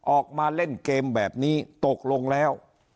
ออกมาเล่นเกมแบบนี้ตกลงแล้ว